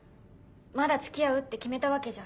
まだ付き合うって決めたわけじゃ。